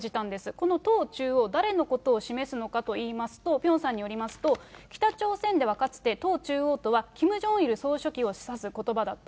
この党中央、誰のことを示すのかといいますと、ピョンさんによりますと、北朝鮮ではかつて、党中央とは、キム・ジョンイル総書記を示唆することばだった。